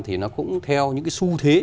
thì nó cũng theo những su thế